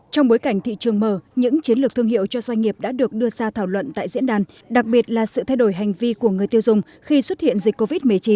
trong bối cảnh thị trường mở những chiến lược thương hiệu cho doanh nghiệp đã được đưa ra thảo luận tại diễn đàn đặc biệt là sự thay đổi hành vi của người tiêu dùng khi xuất hiện dịch covid một mươi chín